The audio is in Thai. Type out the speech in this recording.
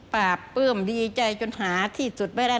ปากเปิ้มดีใจจนหาที่สุดไปแล้ว